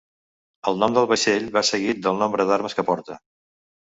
El nom del vaixell va seguit del nombre d'armes que porta.